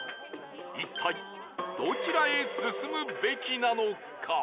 一体どちらへ進むべきなのか？